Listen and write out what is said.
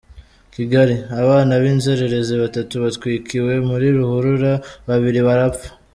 Kigali: Abana b’inzererezi batatu batwikiwe muri ruhurura, babiri barapfa.